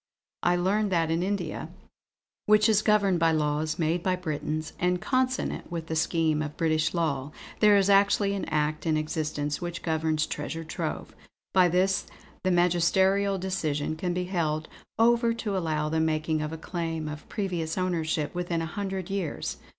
I learn that in India, which is governed by laws made by Britons and consonant with the scheme of British law, there is actually an act in existence which governs Treasure Trove. By this, the magisterial decision can be held over to allow the making of a claim of previous ownership within a hundred years.